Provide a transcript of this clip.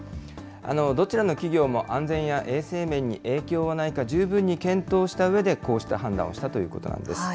どちらの企業も安全や衛生面に影響はないか、十分に検討したうえで、こうした判断をしたということなんです。